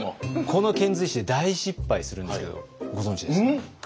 この遣隋使で大失敗するんですけどご存じですかね？